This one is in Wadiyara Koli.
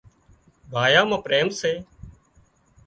ڀائيان مان پريم سي